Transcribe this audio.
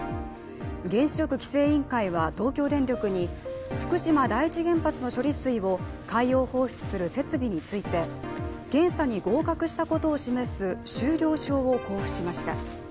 原子力規制委員会は東京電力に福島第一原発の処理水を海洋放出する設備について、検査に合格したことを示す終了証を交付しました。